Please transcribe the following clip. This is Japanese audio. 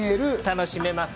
楽しめます。